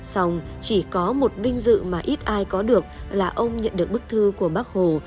xong chỉ có một vinh dự mà ít ai có được là ông nhận được bức thư của bác hồ